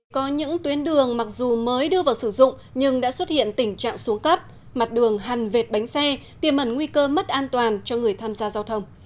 có những tuyến đường mặc dù mới đưa vào sử dụng nhưng đã xuất hiện tình trạng xuống cấp mặt đường hằn vệt bánh xe tiềm mẩn nguy cơ mất an toàn cho người tham gia giao thông